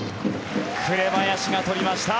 紅林がとりました。